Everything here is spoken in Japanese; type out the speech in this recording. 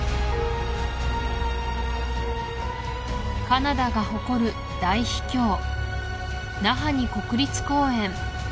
カナダが誇る大秘境ナハニ国立公園